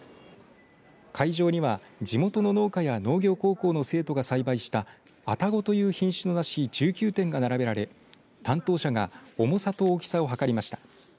会場には地元の農家や農業高校の生徒が栽培した愛宕という品種の梨１９点が並べられ担当者が重さと大きさを測りました。